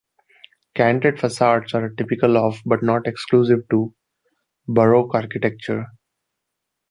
Canted facades are a typical of, but not exclusive to, Baroque architecture.